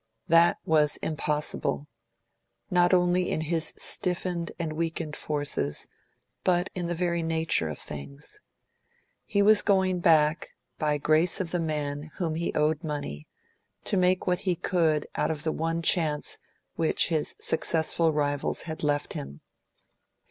That was impossible, not only in his stiffened and weakened forces, but in the very nature of things. He was going back, by grace of the man whom he owed money, to make what he could out of the one chance which his successful rivals had left him.